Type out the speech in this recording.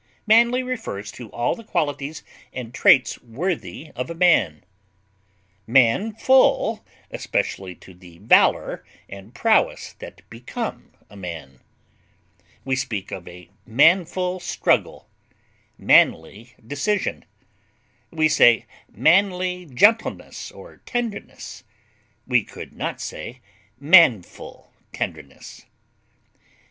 Manly refers to all the qualities and traits worthy of a man; manful, especially to the valor and prowess that become a man; we speak of a manful struggle, manly decision; we say manly gentleness or tenderness; we could not say manful tenderness.